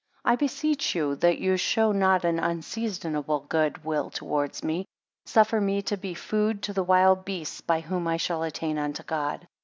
2 I beseech you that you show not an unseasonable good will towards me. Suffer me to be food to the wild beasts, by whom I shall attain unto God.